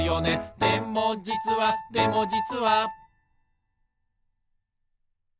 「でもじつはでもじつは」